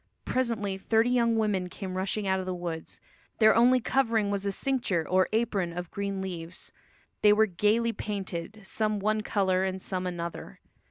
Presently thirty young women came rushing out of the woods. Their only covering was a cincture or apron of green leaves; they were gaily painted, some one colour and some another.